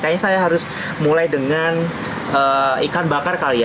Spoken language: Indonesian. kayaknya saya harus mulai dengan ikan bakar kali ya